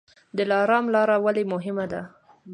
دلارام لاره ولې مهمه ده؟